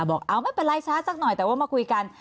บอกเอาไม่เป็นไรช้าสักหน่อยแต่ว่ามาคุยกัน